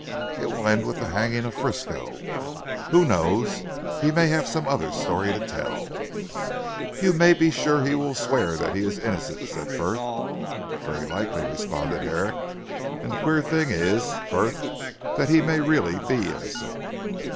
"It will end with the hanging of Frisco." "Who knows. He may have some other story to tell." "You may be sure he will swear that he is innocent," said Frith. "Very likely," responded Herrick, "and the queer thing is Frith that he may really be innocent."